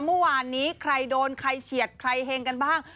เมื่อวานนี้ใครโดนใครเฉียดใครเห็งกันบ้าง